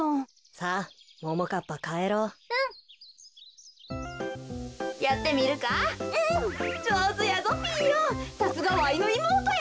さすがわいのいもうとや。